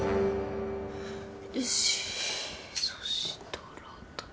そしたら。